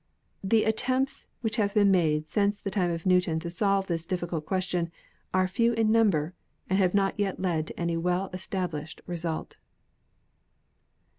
The attempts which have been made since the time of Newton to solve this difficult question are few in number and have not yet led to any well established result.